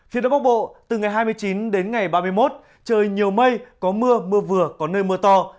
phía đông bắc bộ từ ngày hai mươi chín đến ngày ba mươi một trời nhiều mây có mưa mưa vừa có nơi mưa to